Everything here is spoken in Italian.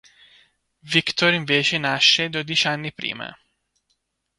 Victor invece nasce dodici anni prima.